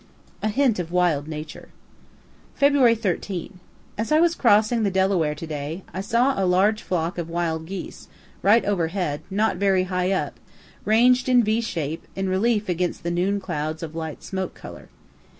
A HINT OF WILD NATURE Feb. 13. As I was crossing the Delaware to day, saw a large flock of wild geese, right overhead, not very high up, ranged in V shape, in relief against the noon clouds of light smoke color.